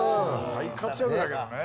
大活躍だけどね。